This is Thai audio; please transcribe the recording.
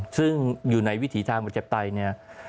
ซึ่งอยู่ในวิถีทางประชาปไตยเนี่ย